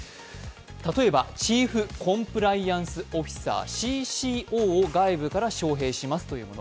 例えばチーフコンプライアンスオフィサー＝ＣＣＯを外部から招へいしますというもの。